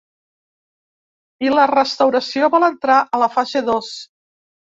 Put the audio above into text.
I la restauració vol entrar a la fase dos.